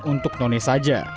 untuk none saja